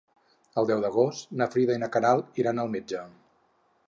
El deu d'agost na Frida i na Queralt iran al metge.